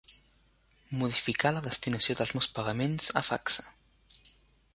Modificar la destinació dels meus pagaments a Facsa.